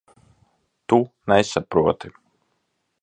Tu nesaproti.